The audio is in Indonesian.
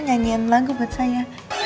nyanyiin lagu buat saya